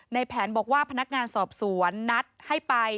ในแผนบอกว่าพนักงานสอบสวนนัดให้ไป